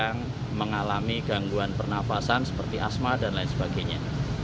kami juga untuk sekolah yang mengalami gangguan pernafasan seperti asma dan lain sebagainya